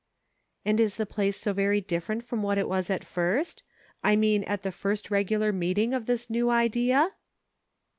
" And is the place so very different from what it was at first ? I mean at the first regular meet ing of this new idea